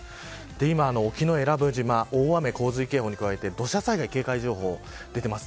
今、沖永良部島大雨洪水警報に加えて土砂災害警戒情報が出ています。